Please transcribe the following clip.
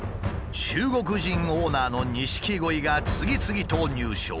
中国人オーナーの錦鯉が次々と入賞。